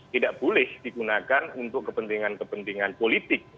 tidak boleh digunakan untuk kepentingan kepentingan politik